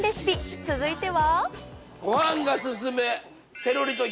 続いては。